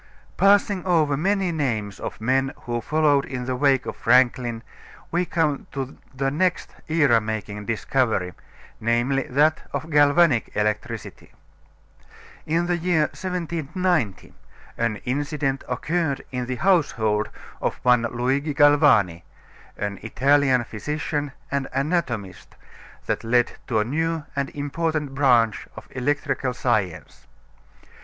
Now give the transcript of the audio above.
Passing over many names of men who followed in the wake of Franklin we come to the next era making discovery, namely, that of galvanic electricity. In the year 1790 an incident occurred in the household of one Luigi Galvani, an Italian physician and anatomist, that led to a new and important branch of electrical science.